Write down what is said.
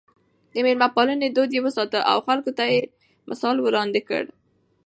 د مېلمه پالنې دود يې وساته او خلکو ته يې ښه مثال وړاندې کړ.